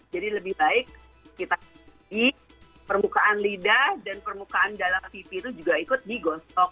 jadi lebih baik kita di permukaan lidah dan permukaan dalam pipi itu juga ikut digosok